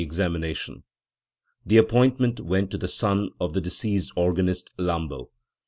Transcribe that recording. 159 examination; the appointment went to the son of the de ceased organist, Lambo.